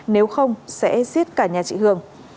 nếu không sẽ giết cả nhà chị hường